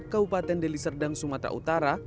kabupaten deliserdang sumatera utara